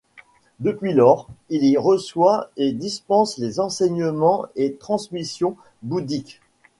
Depuis lors, il y reçoit et dispense des enseignements et transmissions bouddhiques.